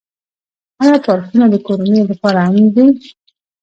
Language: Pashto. آیا پارکونه د کورنیو لپاره امن دي؟